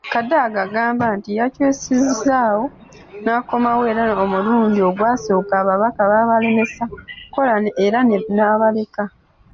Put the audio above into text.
Kadaga agamba nti yakyusizaawo n'akomawo era omulundi ogwasooka, ababaka babalemesa okukola era n'abaleka.